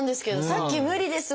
さっき「無理です。